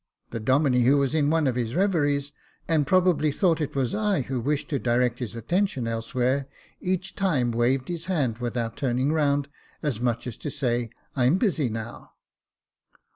The Domine, who was in one of his reveries, and probably thought it was I, who Jacob Faithful 99 wished to direct his attention elsewhere, each time waved his hand, without turning round, as much as to say, " I am busy now."